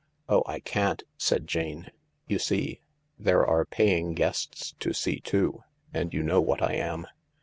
" Oh, I can't," said Jane. " You see, there are paying guests to see too — and you know what I am.